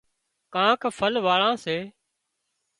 ڪانڪ ڦل واۯان سي